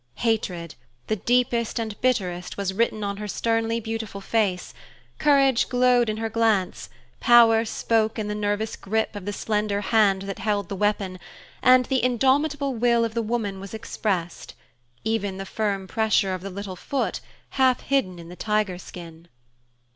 Hatred, the deepest and bitterest, was written on her sternly beautiful face, courage glowed in her glance, power spoke in the nervous grip of the slender hand that held the weapon, and the indomitable will of the woman was expressed even the firm pressure of the little foot half hidden in the tiger skin.